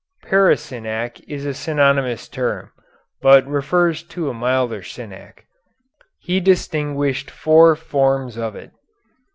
Parasynanche is a synonymous term, but refers to a milder synanche. He distinguished four forms of it.